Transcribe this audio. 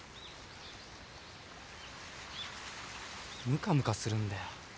むかむかするんだよ。